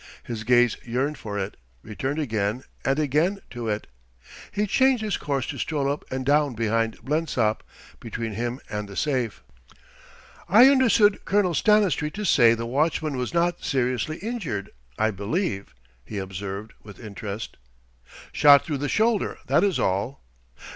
His gaze yearned for it, returned again and again to it. He changed his course to stroll up and down behind Blensop, between him and the safe. "I understood Colonel Stanistreet to say the watchman was not seriously injured, I believe," he observed, with interest. "Shot through the shoulder, that is all....